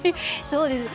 そうですね。